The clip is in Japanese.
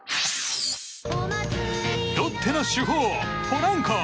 ロッテの主砲、ポランコ。